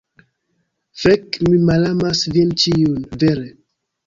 Fek, mi malamas vin ĉiujn! Vere!